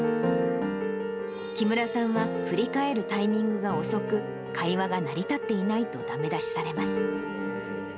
木村さんは振り返るタイミングが遅く、会話が成り立っていないとだめ出しされます。